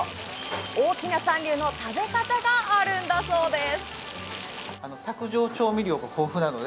大木奈さん流の食べ方があるんだそうです。